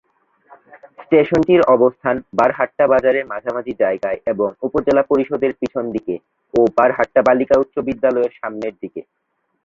স্টেশনটির অবস্থান বারহাট্টা বাজারের মাঝামাঝি জায়গায় এবং উপজেলা পরিষদের পিছন দিকে ও বারহাট্টা বালিকা উচ্চ বিদ্যালয়ের সামনের দিকে।